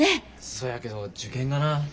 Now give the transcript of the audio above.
そやけど受験がな。